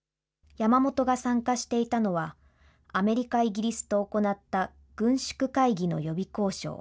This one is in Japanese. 山本が参加していたのは、アメリカ、イギリスと行った軍縮会議の予備交渉。